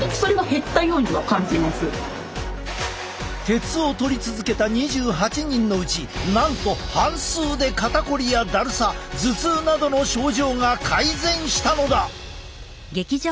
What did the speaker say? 鉄をとり続けた２８人のうちなんと半数で肩こりやだるさ頭痛などの症状が改善したのだ！